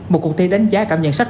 một cuộc thi đánh giá cảm nhận sách